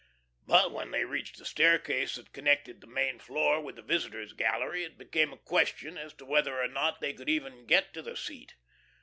But when they reached the staircase that connected the main floor with the visitors' gallery, it became a question as to whether or not they could even get to the seat.